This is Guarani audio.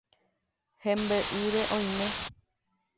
Hembe'ýre oime.